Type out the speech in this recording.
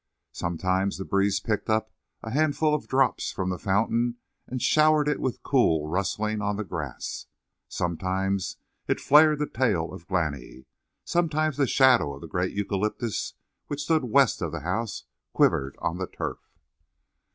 Sometimes the breeze picked up a handful of drops from the fountain and showered it with a cool rustling on the grass. Sometimes it flared the tail of Glani; sometimes the shadow of the great eucalyptus which stood west of the house quivered on the turf.